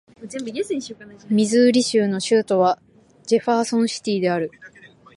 ミズーリ州の州都はジェファーソンシティである